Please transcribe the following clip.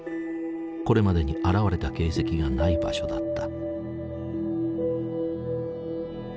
これまでに現れた形跡がない場所だった。